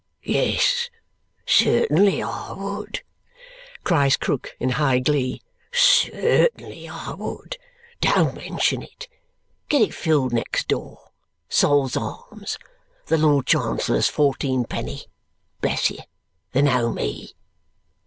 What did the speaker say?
"Yes, certainly I would!" cries Krook in high glee. "Certainly I would! Don't mention it! Get it filled next door Sol's Arms the Lord Chancellor's fourteenpenny. Bless you, they know ME!"